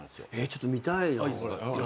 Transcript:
ちょっと見たい。